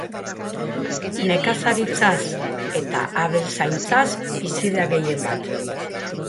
Nekazaritzaz eta abeltzaintzaz bizi da gehien bat.